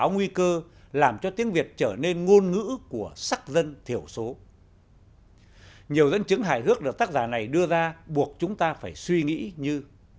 nhiều dẫn chứng hài hước được tác giả này đưa ra buộc chúng ta phải suy nghĩ như